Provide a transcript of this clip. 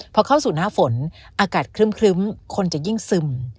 พอเข้าสู่หน้าฝนอากาศครึ้มคนจะยิ่งซึม